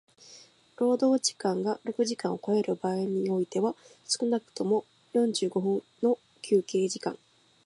労働時間が六時間を超える場合においては少くとも四十五分の休憩時間